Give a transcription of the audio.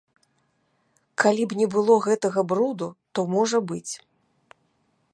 Калі б не было гэтага бруду, то можа быць.